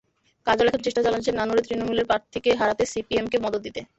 কাজল এখন চেষ্টা চালাচ্ছেন নানুরে তূণমূলের প্রার্থীকে হারাতে সিপিএমকে মদদ দিতে।